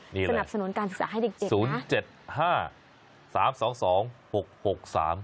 สนับสนุนการศึกษาให้เด็กนะ